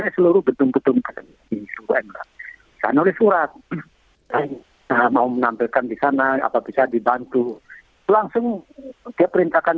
itu berhenti berhenti sama mereka